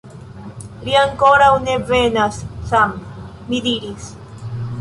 Li ankoraŭ ne venas, Sam, mi diris.